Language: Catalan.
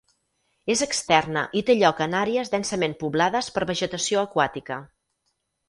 És externa i té lloc en àrees densament poblades per vegetació aquàtica.